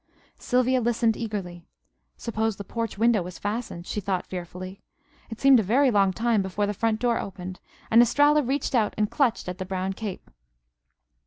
Sylvia listened eagerly. Suppose the porch window was fastened? she thought fearfully. It seemed a very long time before the front door opened, and Estralla reached out and clutched at the brown cape.